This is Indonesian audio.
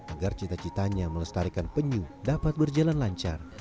agar cita citanya melestarikan penyu dapat berjalan lancar